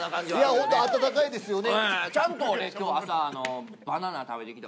ホント温かいですよね。